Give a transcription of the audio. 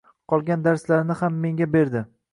Qolgan darslarini ham menga berdi.